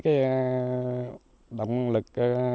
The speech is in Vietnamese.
cái động lực